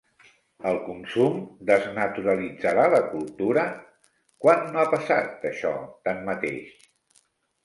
El consum desnaturalitzarà la cultura? Quan no ha passat això, tanmateix?